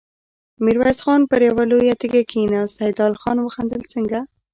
ميرويس خان پر يوه لويه تيږه کېناست، سيدال خان وخندل: څنګه!